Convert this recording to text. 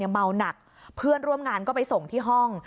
เมาหนักเพื่อนร่วมงานก็ไปส่งที่ห้อง